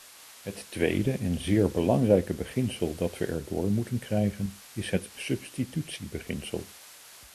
Het tweede en zeer belangrijke beginsel dat we erdoor moeten krijgen is het substitutiebeginsel.